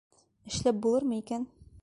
Эшләп булырмы икән?